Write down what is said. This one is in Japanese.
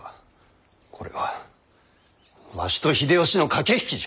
これはわしと秀吉の駆け引きじゃ！